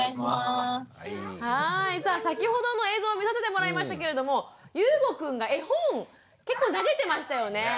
さあ先ほどの映像を見させてもらいましたけれどもゆうごくんが絵本結構投げてましたよね。